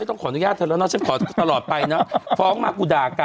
ต้องขอนุญาตชินภาพนะคะ